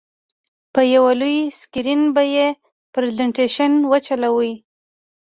په یو لوی سکرین به یې پرزینټېشن وچلوو.